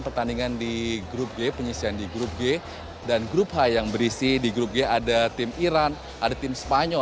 pertandingan di grup g penyisian di grup g dan grup h yang berisi di grup g ada tim iran ada tim spanyol